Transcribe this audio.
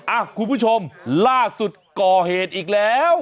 อ่ะคุณผู้ชมล่าสุดก่อเหตุอีกแล้ว